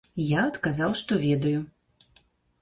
Я адказаў, што ведаю.